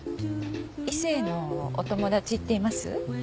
異性のお友達っています？